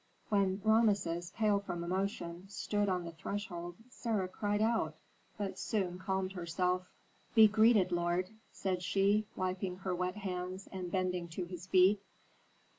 When Rameses, pale from emotion, stood on the threshold, Sarah cried out, but soon calmed herself. "Be greeted, lord," said she, wiping her wet hands and bending to his feet.